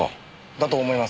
だと思います。